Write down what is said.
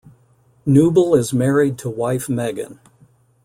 Knuble is married to wife Megan.